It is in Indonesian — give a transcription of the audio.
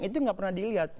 itu nggak pernah dilihat